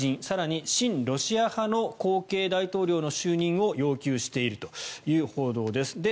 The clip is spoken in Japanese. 更に、親ロシア派の後継大統領の就任を要求しているという報道です。